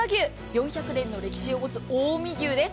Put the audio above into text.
４００年の歴史を持つ近江牛です。